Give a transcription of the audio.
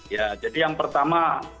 ya jadi yang pertama